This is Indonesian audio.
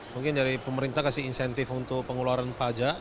mungkin dari pemerintah kasih insentif untuk pengeluaran pajak